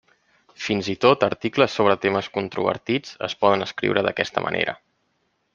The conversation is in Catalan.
Fins i tot articles sobre temes controvertits es poden escriure d'aquesta manera.